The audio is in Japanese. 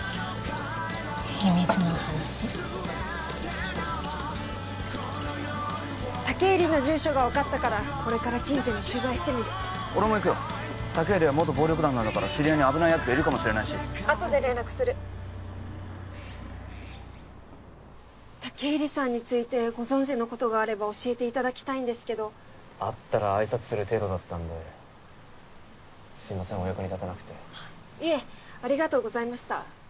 秘密の話武入の住所が分かったからこれから近所に取材してみる俺も行くよ武入は元暴力団なんだから知り合いに危ないやつがいるかもしれないしあとで連絡する武入さんについてご存じのことがあれば教えていただきたいんですけど会ったら挨拶する程度だったんですいませんお役に立てなくていえありがとうございました